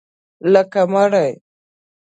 لکه مړی